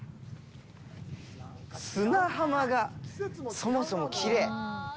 砂浜が、そもそもきれい。